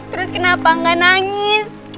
terus kenapa gak nangis